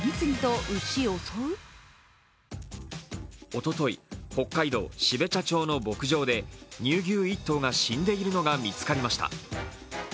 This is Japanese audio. おととい、北海道標茶町の牧場で乳牛１頭が死んでいるのが見つかりました。